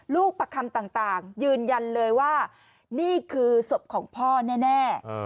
ประคำต่างยืนยันเลยว่านี่คือศพของพ่อแน่